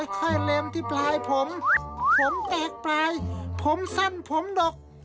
ค่อยเลมที่ปลายผมผมแตกปลายผมสั้นผมดก